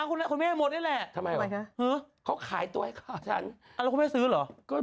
กูไม่ฝากก็เห็น